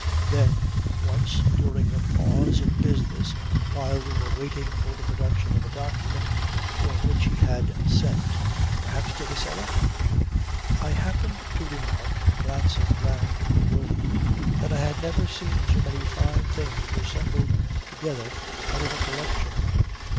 Then, once, during a pause in business, while we were waiting for the production of a document for which he had sent (perhaps to the cellar?) I happened to remark, glancing round the room, that I had never seen so many fine things assembled together out of a collection.